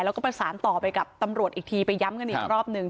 แล้วก็ประสานต่อไปกับตำรวจอีกทีไปย้ำกันอีกรอบหนึ่ง